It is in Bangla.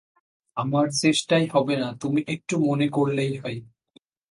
আমার চেষ্টায় হবে না–তুমি একটু মনে করলেই হয়।